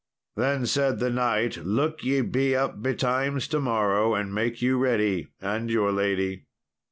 Then said the knight, "Look ye be up betimes to morrow, and make you ready and your lady."